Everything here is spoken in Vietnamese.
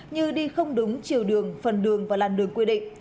như đi không đúng chiều đường phần đường và làn đường quy định